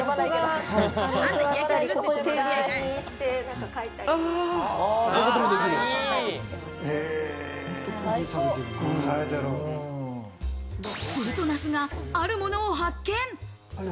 すると那須があるものを発見。